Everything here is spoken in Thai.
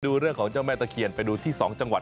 ดูเรื่องของเจ้าแม่ตะเคียนไปดูที่๒จังหวัด